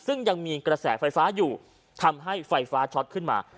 ซึ่งยังมีกระแสไฟฟ้าอยู่ทำให้ไฟฟ้าช็อตขึ้นมา